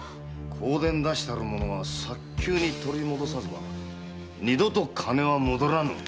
「香典出したる者は早急に取り戻さずば二度と金は戻らぬ」